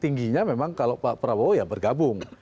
tingginya memang kalau pak prabowo ya bergabung